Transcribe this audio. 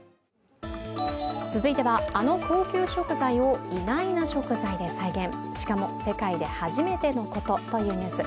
続いては、あの高級食材を意外な食材で再現しかも世界で初めてのことというニュース。